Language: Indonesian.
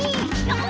udah jatuh kan